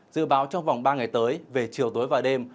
dự báo trong vòng ba ngày tới về chiều tối và đêm